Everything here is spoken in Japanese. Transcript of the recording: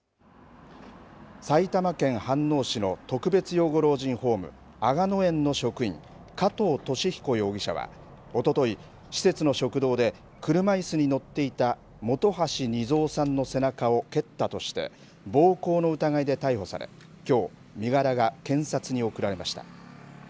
埼玉県飯能市の特別養護老人ホーム吾野園の職員、加藤肇彦容疑者はおととい、施設の食堂で車いすに乗っていた元橋二三さんの背中を蹴ったとして暴行の疑いで逮捕されきょう、身柄が検察に送られました。